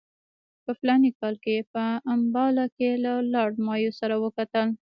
په فلاني کال کې یې په امباله کې له لارډ مایو سره وکتل.